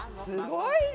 すごい！